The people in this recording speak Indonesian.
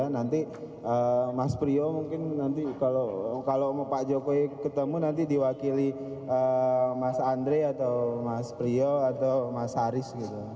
nanti mas priyo mungkin nanti kalau pak jokowi ketemu nanti diwakili mas andre atau mas priyo atau mas haris gitu